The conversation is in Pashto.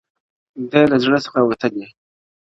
ده لـــــــه زړه څـــــخــــه وتــلـــــې.